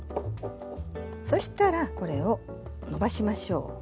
そしたらこれをのばしましょう。